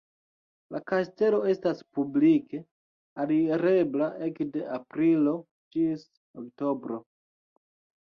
La kastelo estas publike alirebla ekde aprilo ĝis oktobro.